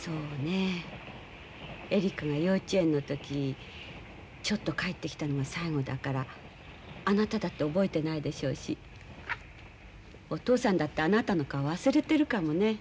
そうねえ絵里加が幼稚園の時ちょっと帰ってきたのが最後だからあなただって覚えてないでしょうしお父さんだってあなたの顔忘れてるかもね。